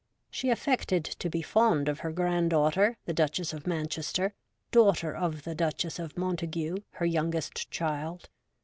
She affected to be fond of her granddaughter, the Duchess of Manchester, daughter of the Duchess of Montagu, her youngest child.